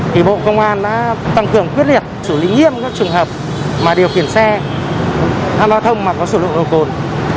thì bộ công an đã tăng cường quyết liệt xử lý nghiêm các trường hợp mà điều khiển xe tham gia giao thông mà có sử dụng giao thông